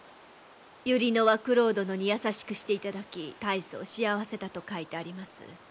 百合野は九郎殿に優しくしていただき大層幸せだと書いてあります。